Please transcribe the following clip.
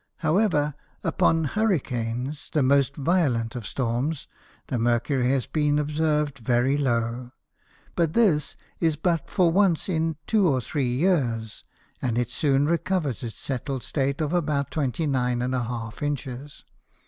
However, upon Hurricanes, the most violent of Storms, the Mercury has been observ'd very low, but this is but for once in two or three Years, and it soon recovers its settled state of about 29½ Inches.